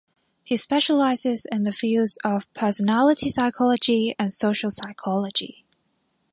He specializes in the fields of personality psychology and social psychology.